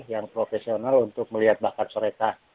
yang profesional untuk melihat bahkan soreka